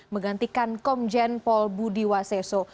menggantikan komjen paul budi waseso